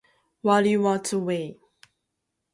Treatment depends on the stage of the cancer.